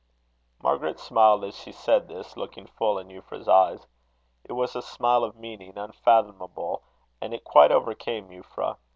Margaret smiled as she said this, looking full in Euphra's eyes. It was a smile of meaning unfathomable, and it quite overcame Euphra.